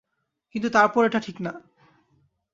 কিন্তু তারপরও এটা ঠিক না।